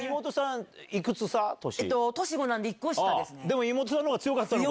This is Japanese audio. でも妹さんの方が強かったのか。